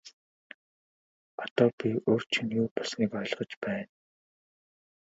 Одоо би урьд шөнө юу болсныг ойлгож байна.